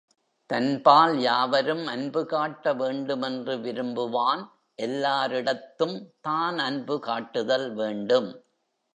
தன்பால் யாவரும் அன்பு காட்ட வேண்டும் என்று விரும்புவான், எல்லாரிடத்தும் தான் அன்பு காட்டுதல் வேண்டும்.